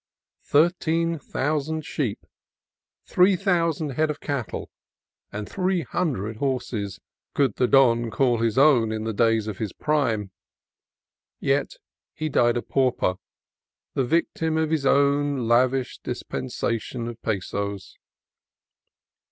Thirteen thousand sheep, three thousand head of cattle, and three hundred horses could the don call his own in the days of his prime : yet he died a pauper, the victim of his own lavish dispensation of pesos.